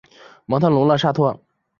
蒙特龙勒沙托。